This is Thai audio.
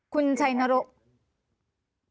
คุณชัยนรงค์